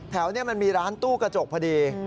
แถวนี้มันมีร้านตู้กระจกพอดี